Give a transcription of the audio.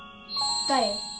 誰？